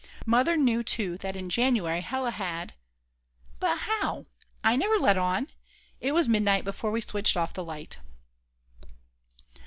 Mother knew too that in January Hella had ... But how? I never let on! It was midnight before we switched off the light.